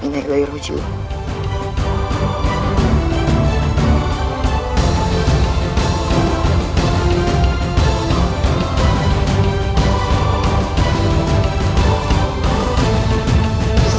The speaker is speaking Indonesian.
mengapakah tuhan telah menyusul pos